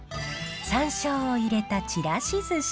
さんしょうを入れたちらしずし。